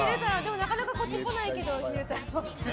なかなか、こっち来ないけど昼太郎。